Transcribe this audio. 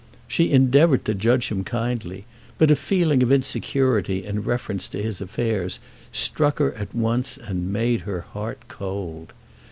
She endeavoured to judge him kindly, but a feeling of insecurity in reference to his affairs struck her at once and made her heart cold.